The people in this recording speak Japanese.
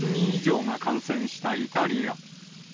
４２０万人以上が感染したイタリア。